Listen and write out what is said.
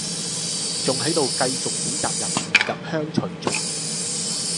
仲喺度繼續指責人唔入鄉隨俗